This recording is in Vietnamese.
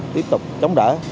tiếp tục chống đỡ